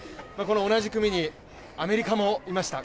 同じ組に、アメリカもいました。